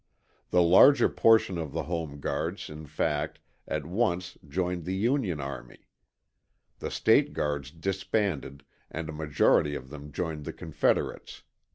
The larger portion of the Home Guards, in fact, at once joined the Union army. The State Guards disbanded and a majority of them joined the Confederates.